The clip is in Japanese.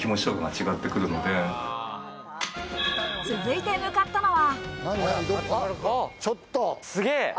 続いて向かったのは。